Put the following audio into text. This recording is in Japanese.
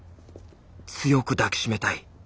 強く抱き締めたい。